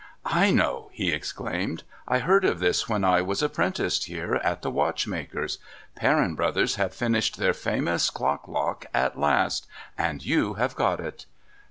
' I know !' he exclaimed. ' I heard of this when I was appren ticed here at the watchmaker's. Perrin Brothers have finished their famous clock lock at last — and you have got it